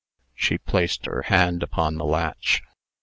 She placed her hand upon the latch.